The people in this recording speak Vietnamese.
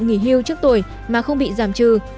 nghỉ hưu trước tuổi mà không bị giảm trừ